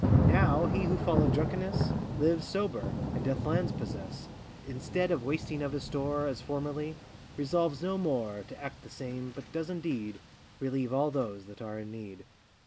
Now he who followed drunkenness, Lives sober, and doth lands possess. Instead of wasting of his store, As formerly, resolves no more To act the same, but does indeed Relieve all those that are in need.